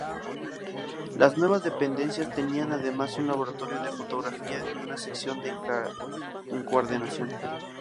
Las nuevas dependencias tenían además un laboratorio de fotografía y una sección de encuadernación.